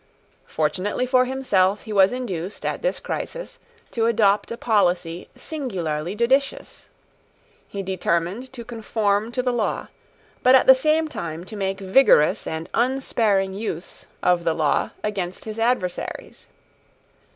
Fortunately for himself, he was induced, at this crisis, to adopt a policy singularly judicious. He determined to conform to the law, but at the same time to make vigorous and unsparing use of the law against his adversaries.